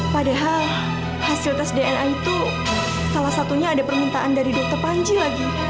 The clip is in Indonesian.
padahal hasil tes dna itu salah satunya ada permintaan dari dokter panji lagi